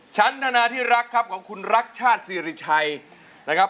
ธนาที่รักครับของคุณรักชาติศิริชัยนะครับ